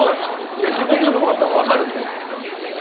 いや地元の方分かるんですよ。